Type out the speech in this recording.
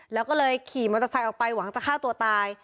แล้วก็เลยขี่มอเตอร์ไซค์ออกไปหวังจะฆ่าตัวตาย